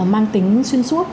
mang tính xuyên suốt